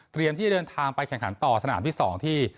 ที่เดินทางไปแข่งขันต่อสนามที่๒ที่